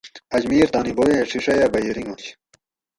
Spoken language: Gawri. اجمیر تانی بوبیں ڛیڛیہ بھئی رِنگانش